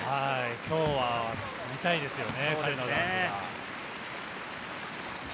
今日は見たいですね。